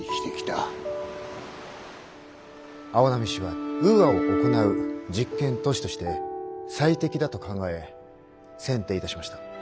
市はウーアを行う実験都市として最適だと考え選定いたしました。